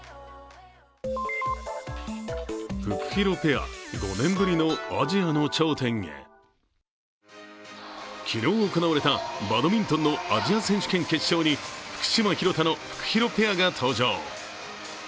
快挙を成し遂げた２人の次なる目標は昨日行われたバドミントンのアジア選手権決勝に福島・廣田のフクヒロペアが登場。